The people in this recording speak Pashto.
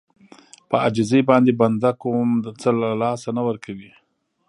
په عاجزي باندې بنده کوم څه له لاسه نه ورکوي.